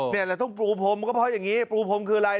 นี่แหละต้องปูพรมก็เพราะอย่างนี้ปูพรมคืออะไร